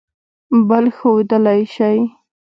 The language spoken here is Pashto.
بل ښودلئ شی